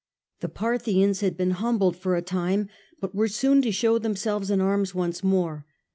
The Parthians had been humbled for a time, but were soon to show themselves in arms once more.